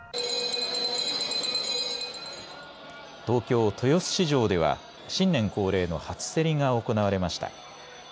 東京豊洲市場では新年恒例の初競りが行われました。